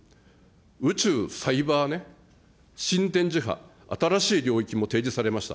宇宙、サイバーね、新電磁波、新しい領域も提示されました。